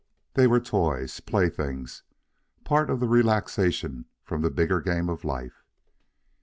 They were toys, playthings, part of the relaxation from the bigger game of life.